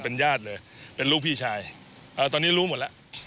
เป็นญาติเลยเป็นลูกพี่ชายตอนนี้รู้หมดแล้ว